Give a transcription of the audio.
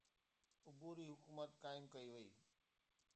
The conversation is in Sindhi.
عبوري حڪومت قائم ڪئي وئي.